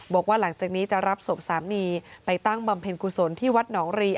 บอกว่าหลังจากนี้จะรับศพสามีไปตั้งบำเพ็ญกุศลที่วัดหนองรี